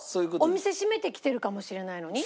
お店閉めて来てるかもしれないのに？